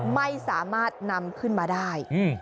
ไม่สามารถนำขึ้นมาได้